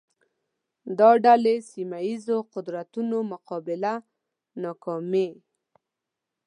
دا ډلې سیمه ییزو قدرتونو مقابله ناکامې